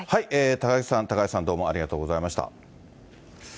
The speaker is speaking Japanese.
高木さん、高橋さん、どうもありがとうございました。